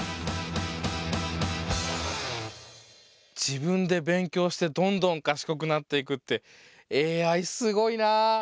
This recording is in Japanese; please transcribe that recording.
自分で勉強してどんどんかしこくなっていくってＡＩすごいなぁ！